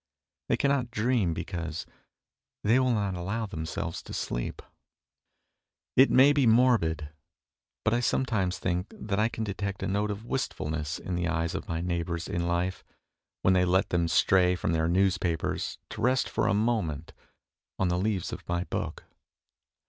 They cannot dream because they will not allow themselves to sleep. 2 18 MONOLOGUES It may be morbid, but I sometimes think that I can detect a note of wistfulness in the eyes of my neighbours in life, when they let them stray from their newspapers to rest for a moment on the leaves of my book.